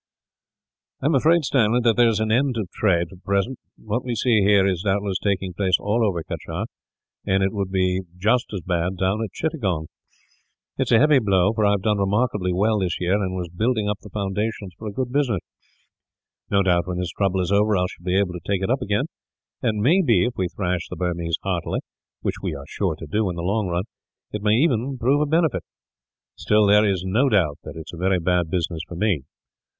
"I am afraid, Stanley, there is an end of trade, for the present. What we see here is, doubtless, taking place all over Cachar; and it would be just as bad down at Chittagong. It is a heavy blow, for I have done remarkably well this year, and was building up the foundations for a good business. No doubt, when this trouble is over. I shall be able to take it up again; and it may be, if we thrash the Burmese heartily, which we are sure to do in the long run, it may even prove a benefit. Still, there is no doubt that it is a very bad business for me.